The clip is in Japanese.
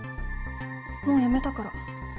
もうやめたから。